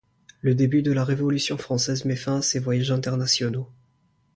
Le début de la Révolution française met fin à ses voyages internationaux.